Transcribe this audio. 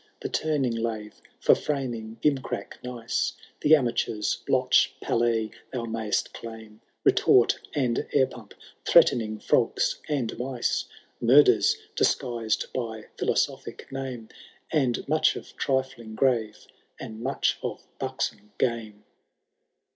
The turning lathe for framing gimcrack nice ; The amateur's blotch' pallet thou majst claim. Retort, and air pump, threatening frcgs and mice, (Murders diflguised by philosophic name,) And much of trifling grave, and much of buxom game.